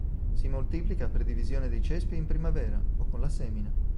Si moltiplica per divisione dei cespi in primavera, o con la semina.